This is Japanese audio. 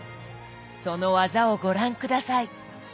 その技をご覧下さい。